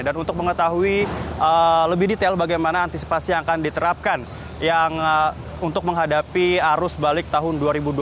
dan untuk mengetahui lebih detail bagaimana antisipasi yang akan diterapkan untuk menghadapi arus balik tahun dua ribu dua puluh tiga